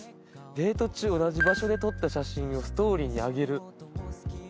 「デート中同じ場所で撮った写真をストーリーに上げる」。